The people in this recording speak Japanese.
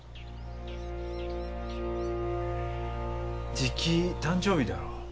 じき誕生日だろう？